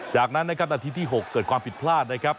จากนั้นนะครับนาทีที่๖เกิดความผิดพลาดนะครับ